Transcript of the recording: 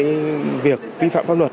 những cái việc vi phạm pháp luật